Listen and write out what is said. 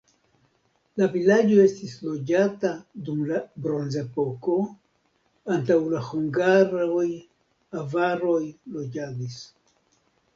La vilaĝo estis loĝata dum la bronzepoko, antaŭ la hungaroj avaroj loĝadis.